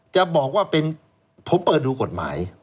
จะบอกว่าเป็นผมเปิดดูกฎหมาย